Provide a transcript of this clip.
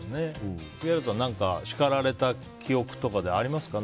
杉原さん叱られた記憶とかありますか？